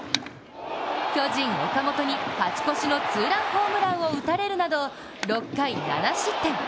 巨人岡本に勝ち越しの２ランホームランを打たれるなど６回７失点。